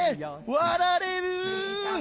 わられる！